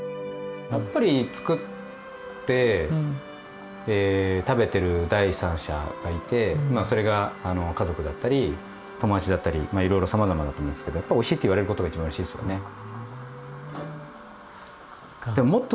やっぱり作って食べてる第三者がいてそれが家族だったり友達だったりまあいろいろさまざまだと思うんですけどやっぱおいしいって言われることが一番うれしいですよね。